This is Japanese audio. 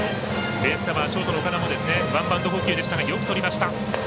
ベースカバーショートの岡田もワンバウンド捕球ですがよくとりました。